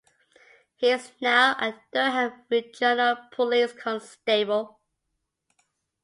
He is now a Durham Regional Police Constable.